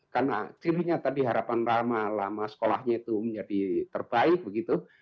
karena cirinya tadi harapan lama lama sekolahnya itu menjadi terbaik begitu